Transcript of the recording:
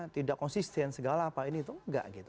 tidak konsisten segala apa ini